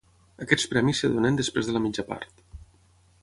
Aquests premis es donen després de la mitja part.